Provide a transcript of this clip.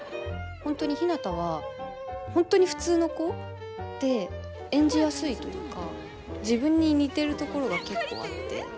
本当にひなたは本当に普通の子で演じやすいというか自分に似てるところが結構あって。